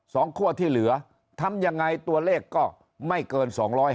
สองขั้วที่เหลือทำยังไงตัวเลขก็ไม่เกิน๒๕๐